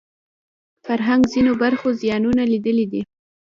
فرهنګ ځینو برخو زیانونه لیدلي دي